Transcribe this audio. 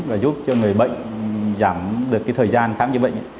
và giúp cho người bệnh giảm được cái thời gian khám chữa bệnh